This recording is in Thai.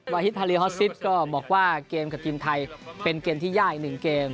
แล้วก็บอกว่าเกมกับทีมไทยเป็นเกมที่ยากอีก๑เกม